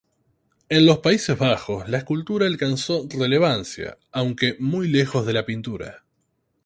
En los Países Bajos la escultura alcanzó relevancia, aunque muy lejos de la pintura.